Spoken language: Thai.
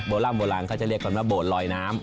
โบร่างก็จะเรียกกันว่าโบสถ์ลอยน้ำ